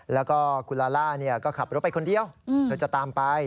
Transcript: แล้วก็คุณลาล่าก็ขับรถไปคนเดียวเธอจะตามไป